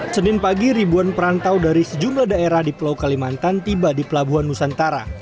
senin pagi ribuan perantau dari sejumlah daerah di pulau kalimantan tiba di pelabuhan nusantara